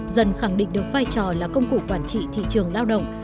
dần khẳng định được vai trò là công cụ quản trị thị trường lao động